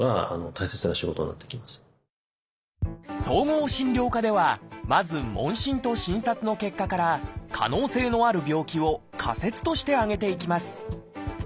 総合診療科ではまず問診と診察の結果から可能性のある病気を仮説として挙げていきます。